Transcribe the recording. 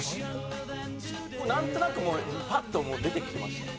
何となくもうぱっと出てきました。